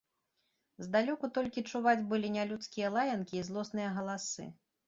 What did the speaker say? Здалёку толькі чуваць былі нялюдскія лаянкі і злосныя галасы.